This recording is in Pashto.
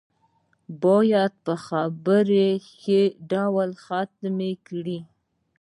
بايد خبرې په ښه ډول ختمې کړي.